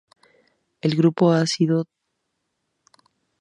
El Grupo ha así trabajado a la elaboración de una semiótica cognitiva.